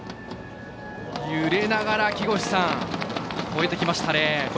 揺れながら越えてきましたね。